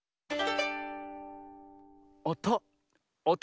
おと。